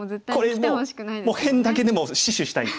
もう辺だけでも死守したい。